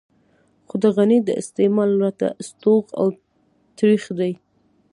خو د غني د استعمال راته ستوغ او ترېخ دی.